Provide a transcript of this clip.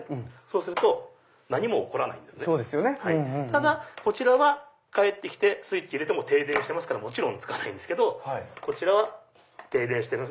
ただこちらは帰って来てスイッチ入れても停電してますからもちろんつかないんですけどこちらは停電してても。